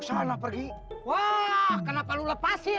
sana pergi wah kenapa lu lepasin